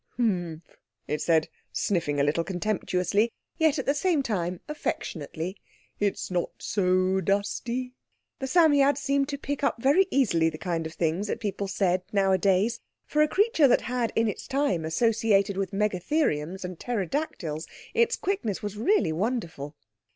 "Humph," it said, sniffing a little contemptuously, yet at the same time affectionately, "it's not so dusty." The Psammead seemed to pick up very easily the kind of things that people said nowadays. For a creature that had in its time associated with Megatheriums and Pterodactyls, its quickness was really wonderful.